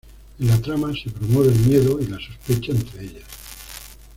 En la trama se promueve el miedo y la sospecha entre ellas.